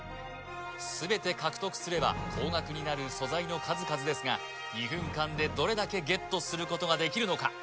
全て獲得すれば高額になる素材の数々ですが２分間でどれだけゲットすることができるのか？